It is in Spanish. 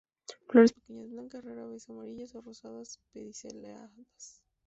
Flores pequeñas, blancas, rara vez amarillentas o rosadas, pediceladas.